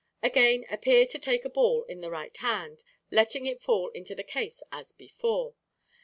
Again appear to take a ball in the right hand, letting it fall into the case as before.